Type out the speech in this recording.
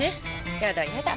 やだやだ。